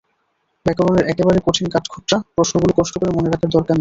ব্যাকরণের একেবারে কঠিন কাটখোট্টা প্রশ্নগুলো কষ্ট করে মনে রাখার দরকার নেই।